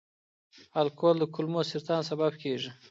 الکول د کولمو سرطان سبب کېږي.